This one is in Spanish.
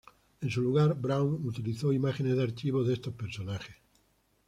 En su lugar, Braun utilizó imágenes de archivo de estos personajes.